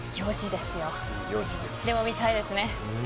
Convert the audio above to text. でも見たいですね。